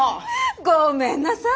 ごめんなさい。